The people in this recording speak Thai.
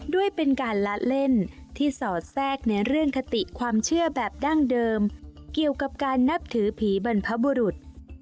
ด้วยเป็นการละเล่นที่สอดแทรกในเรื่องคติความเชื่อแบบดั้งเดิมเกี่ยวกับการนับถือผีบรรพบุรุษ